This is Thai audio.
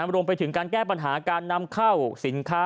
รวมไปถึงการแก้ปัญหาการนำเข้าสินค้า